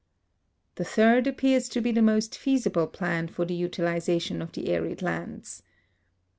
The third appears to be the most feasible plan for the utiliza tion of the arid lands.